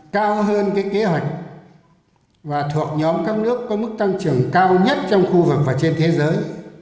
cao hơn cái kế hoạch và thuộc nhóm các nước có mức tăng trưởng cao nhất trong khu vực và trên thế giới